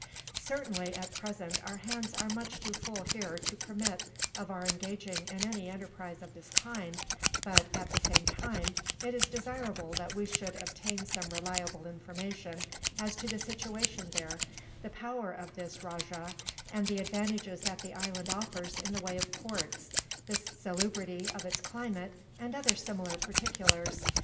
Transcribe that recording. "Certainly, at present, our hands are much too full here to permit of our engaging in any enterprise of this kind but, at the same time, it is desirable that we should obtain some reliable information as to the situation there, the power of this rajah, and the advantages that the island offers in the way of ports, the salubrity of its climate, and other similar particulars.